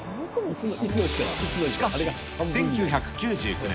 しかし１９９９年、